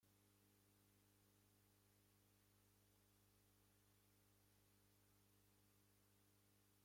成化十四年中式戊戌科三甲进士。